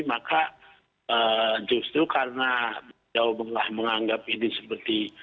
maka justru karena beliau menganggap ini seperti